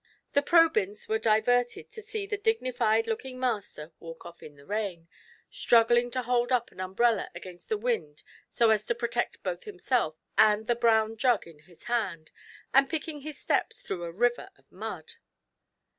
The Probyns were diverted to see the dignified looking master walk off* in the rain, struggling to hold up an umbrella against the wind so as to protect both himself and the brown jug in his hand, and picking his steps through a river of mud.